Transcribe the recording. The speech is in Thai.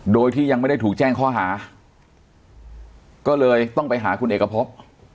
โดยที่ยังไม่ได้ถูกแจ้งข้อหาก็เลยต้องไปหาคุณเอกพบ